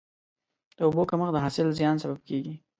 د اوبو کمښت د حاصل زیان سبب کېږي.